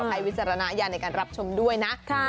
ใครวิจารณายันในการรับชมด้วยนะ